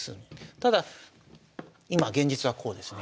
ただ今現実はこうですね。